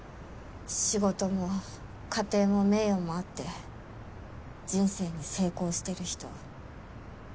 仕事も家庭も名誉もあって人生に成功してる人。